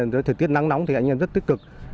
thời tiết nắng nóng rất tích cực